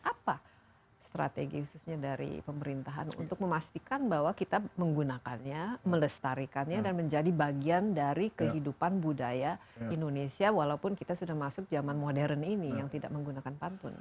apa strategi khususnya dari pemerintahan untuk memastikan bahwa kita menggunakannya melestarikannya dan menjadi bagian dari kehidupan budaya indonesia walaupun kita sudah masuk zaman modern ini yang tidak menggunakan pantun